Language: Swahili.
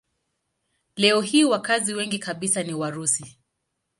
Leo hii wakazi wengi kabisa ni Warusi.